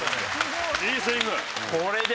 いいスイング。